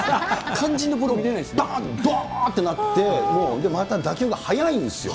肝心のボールが見れないんでぼーんってなって、また打球が速いんですよ。